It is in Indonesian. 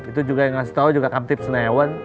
itu juga yang ngasih tahu juga kamtip senewan